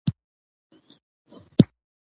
چار مغز د افغانستان د صادراتو یوه خورا مهمه برخه ده.